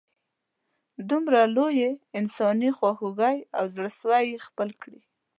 دومره لویې انسانې خواږۍ او زړه سوي یې خپل کړي.